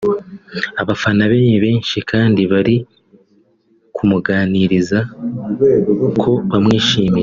Abafana be ni benshi kandi bari kumugaragariza ko bamwishimiye